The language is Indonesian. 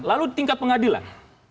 lalu di tingkat pengadilan